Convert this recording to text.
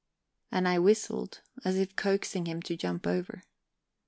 And I whistled, as if coaxing him to jump over.